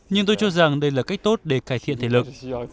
nhưng tôi cho rằng đây là cách tốt để cải thiện thể lực